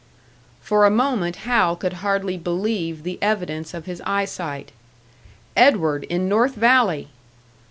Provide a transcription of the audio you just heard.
For a moment Hal could hardly believe the evidence of his eyesight. Edward in North Valley!